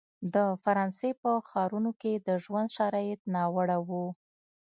د فرانسې په ښارونو کې د ژوند شرایط ناوړه وو.